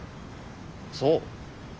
そう？